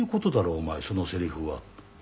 お前そのセリフは」って。